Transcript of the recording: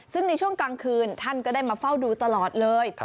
ซึ่งในช่วงกลางคืนท่านก็ได้มาเฝ้าดูตลอดเลย